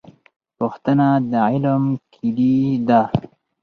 پوښتنه د علم کیلي ده